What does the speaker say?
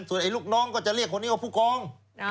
ส่วนลูกน้องก็จะเรียกคนนี้ว่าผู้กอง